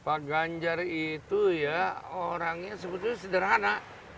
pak ganjar itu ya orangnya sebetulnya sederhana